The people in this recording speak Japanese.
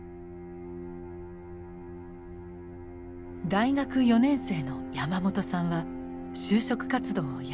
大学４年生の山本さんは就職活動をやめました。